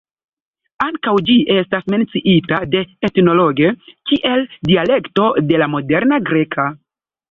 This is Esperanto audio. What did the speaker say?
Ankaŭ ĝi estas menciita de "Ethnologue" kiel dialekto de la moderna greka.